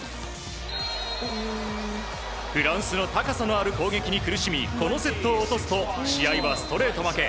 フランスの高さのある攻撃に苦しみこのセットを落とすと試合はストレート負け。